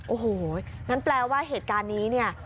โอ้โหนั้นแปลว่าเหตุการณ์นี้